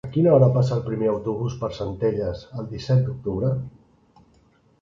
A quina hora passa el primer autobús per Centelles el disset d'octubre?